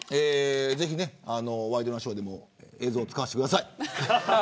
ぜひワイドナショーでも映像を使わせてください。